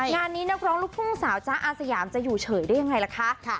งานนี้นักร้องลูกทุ่งสาวจ๊ะอาสยามจะอยู่เฉยได้ยังไงล่ะคะ